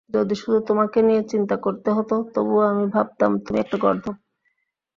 যদি শুধু তোমাকে নিয়ে চিন্তা করতে হতো, তবুও আমি ভাবতাম তুমি একটা গর্দভ।